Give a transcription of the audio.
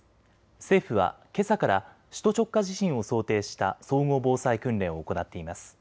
政府はけさから首都直下地震を想定した総合防災訓練を行っています。